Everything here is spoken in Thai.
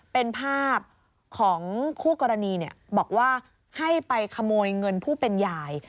เป็นภาพของคู่กรณีบอกว่าให้ไปขโมยเงินผู้เป็นยาย